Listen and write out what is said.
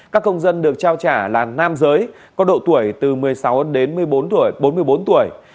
các công dân được trao trả là nam giới có độ tuổi từ một mươi sáu đến bốn mươi bốn tuổi